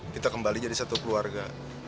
kita kembali jadi satu keluarga